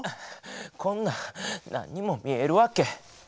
こんな何にも見えるわけ。